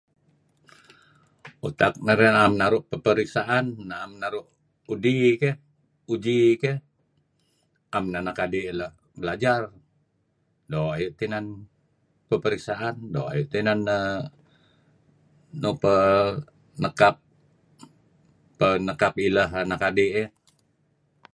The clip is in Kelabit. Utak narih na'em naru' peperiksaan, na'em naru' uji keyh, uji keyh, 'em neh anak adi' la' belajar. Doo' ayu' teh inan peperiksaan. Doo' ayu' teh inan, err... err... inan nuk penkap ileh anak adi' iih.